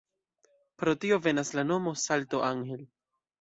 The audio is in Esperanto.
Pro tio venas la nomo "Salto Angel".